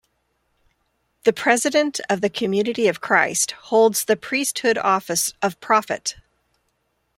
The President of the Community of Christ holds the priesthood office of Prophet.